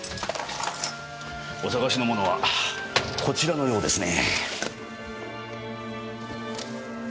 お探しのものはこちらのようですね。